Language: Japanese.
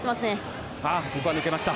ここは抜けました。